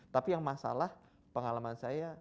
tapi yang masalah pengalaman saya